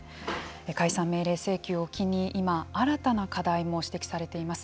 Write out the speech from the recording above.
解散命令請求を機に今、新たな課題も指摘されています。